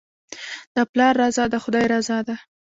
د پلار رضا د خدای رضا ده.